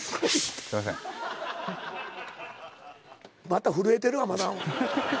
また震えてるわ。